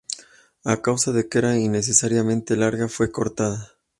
A causa de que era innecesariamente larga, fue cortada.